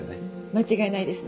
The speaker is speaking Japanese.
間違いないですね